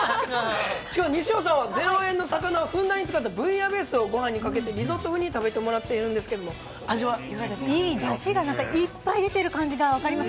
西尾さんは０円の魚をふんだんに使ったブイヤベースをごはんにかけてリゾット風に食べてもらっているんですけれども、味はいいい、だしがなんかいっぱい出てる感じが分かります。